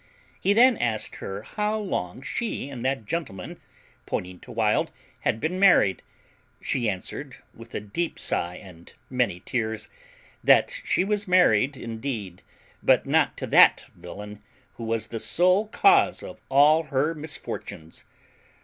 He then asked her how long she and that gentleman (pointing to Wild) had been married. She answered, with a deep sigh and many tears, that she was married indeed, but not to that villain, who was the sole cause of all her misfortunes.